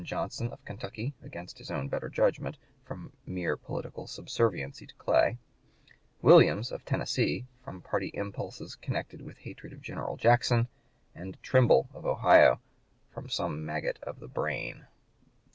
Johnson, of Kentucky, against his own better judgment, from mere political subserviency to Clay; Williams, of Tennessee, from party impulses connected with hatred of General Jackson; and Trimble, of Ohio, from some maggot of the brain."